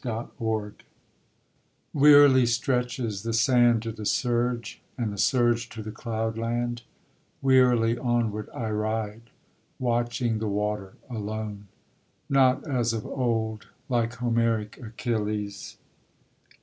ELEGIACS Wearily stretches the sand to the surge, and the surge to the cloudland; Wearily onward I ride, watching the water alone. Not as of old, like Homeric Achilles